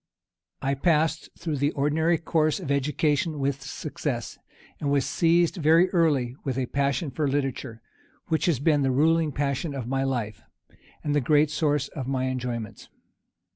I passed through the ordinary course of education with success, and was seized very early with a passion for literature, which has been the ruling passion of my life, and the great source of my enjoyments.